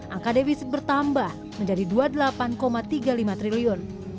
angka defisit bertambah menjadi dua puluh delapan tiga puluh lima triliun